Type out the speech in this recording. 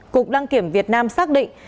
cục đăng kiểm việt nam xác định